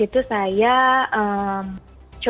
kemudian barulah mengajukan ketidak setujuan